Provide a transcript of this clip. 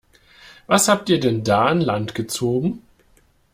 Was habt ihr denn da an Land gezogen?